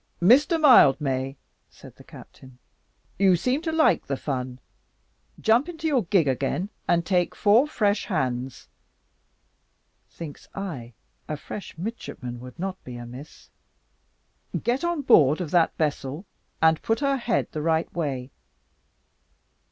"Mr Mildmay," said the captain, "you seem to like the fun; jump into your gig again, take four fresh hands" (thinks I, a fresh midshipman would not be amiss), "get on board of that vessel, and put her head the right way."